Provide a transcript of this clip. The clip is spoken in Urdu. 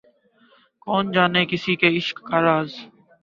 کون جانے کسی کے عشق کا راز